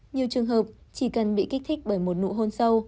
nhiều trường hợp chỉ cần bị kích thích bởi một nụ hôn sâu